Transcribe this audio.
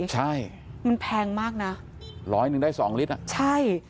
ใช่มันแพงมากนะร้อยหนึ่งได้สองลิตรอ่ะใช่